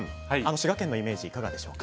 滋賀県のイメージいかがでしょう。